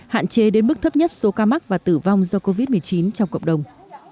hạn chế đến mức thấp nhất số ca mắc và tử vong do covid một mươi chín trong cộng đồng